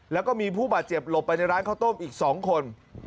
แล้วก็มีผู้บาดเจ็บหลบไปในร้านข้าวต้มอีก๒คน